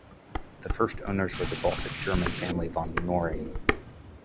The first owners were the Baltic German family von Knorring.